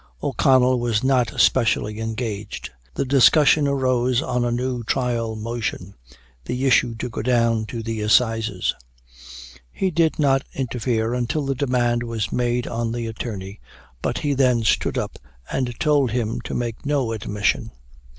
O'Connell was not specially engaged. The discussion arose on a new trial motion the issue to go down to the Assizes. He did not interfere until the demand was made on the attorney, but he then stood up and told him to make no admission.